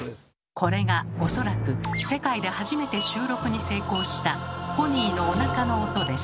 これがおそらく世界で初めて収録に成功したポニーのおなかの音です。